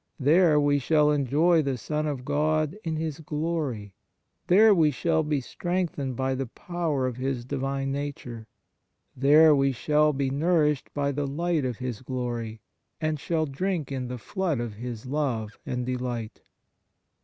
There we shall enjoy the Son of God in His glory; there we shall be strengthened by the power of His Divine Nature; there we shall be nourished by the light of His glory, and shall drink in the flood of His love and delight."